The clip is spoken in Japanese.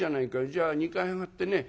じゃあ２階へ上がってね